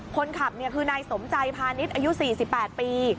คนขับคือนายสมใจพาณิชย์อายุ๔๘ปี